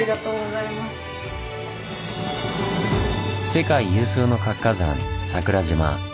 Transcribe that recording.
世界有数の活火山桜島。